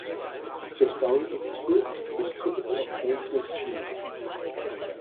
The story, if true, is typical of Goldsmith's humour.